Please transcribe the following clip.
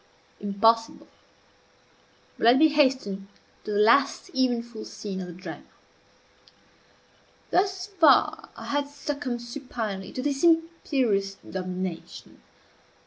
Impossible! but let me hasten to the last eventful scene of the drama. Thus far I had succumbed suginely to this imperious domination.